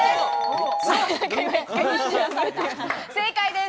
正解です。